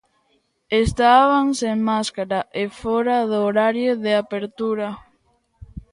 Estaban sen máscara e fóra do horario de apertura.